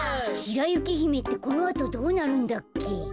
「しらゆきひめ」ってこのあとどうなるんだっけ？